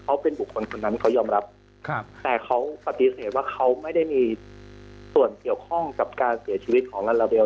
เขาเป็นบุคคลคนนั้นเขายอมรับแต่เขาปฏิเสธว่าเขาไม่ได้มีส่วนเกี่ยวข้องกับการเสียชีวิตของลาลาเบล